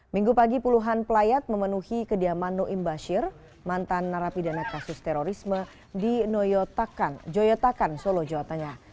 minggu pagi puluhan pelayat memenuhi kediaman nuim bashir mantan narapidana kasus terorisme di joyotakan solo jawa tengah